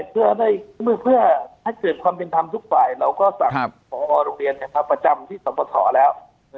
เพื่อให้เกิดความเป็นธรรมทุกฝ่ายเราก็สั่งพอโรงเรียนประจำที่สมปฐแล้ว